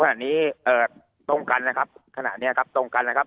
ขนาดนี้ตรงกันนะครับขนาดนี้ครับตรงกันนะครับ